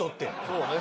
そうね。